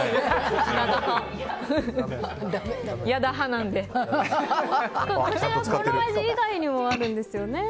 この味以外にもあるんですよね。